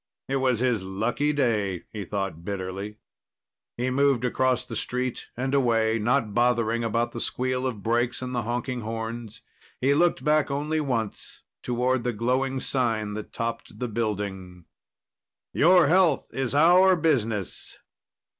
It was his lucky day, he thought bitterly. He moved across the street and away, not bothering about the squeal of brakes and the honking horns. He looked back only once, toward the glowing sign that topped the building. _Your health is our business!